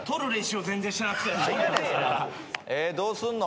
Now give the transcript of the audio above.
どうすんの？